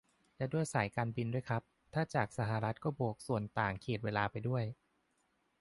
และด้วยสายการบินด้วยครับ ถ้าจากสหรัฐก็บวกส่วนต่างเขตเวลาไปด้วย